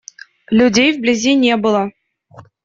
Людей вблизи не было.